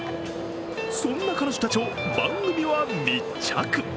そんな彼女たちを番組は密着。